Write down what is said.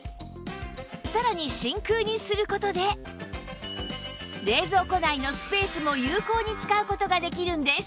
さらに真空にする事で冷蔵庫内のスペースも有効に使う事ができるんです